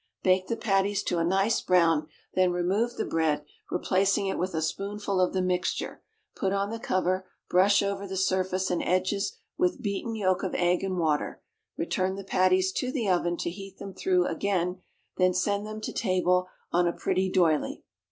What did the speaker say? Bake the patties to a nice brown, then remove the bread, replacing it with a spoonful of the mixture, put on the cover, brush over the surface and edges with beaten yolk of egg and water, return the patties to the oven to heat them through again, then send to table on a pretty d'oyley.